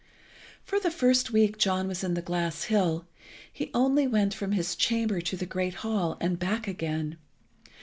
For the first week John was in the glass hill, he only went from his chamber to the great hall and back again.